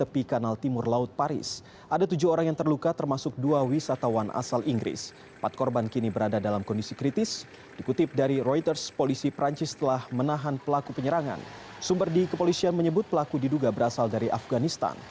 pada hari kepolisian menyebut pelaku diduga berasal dari afganistan